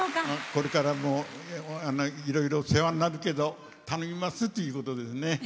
これからもいろいろ世話になるけど頼みますっていうことですね。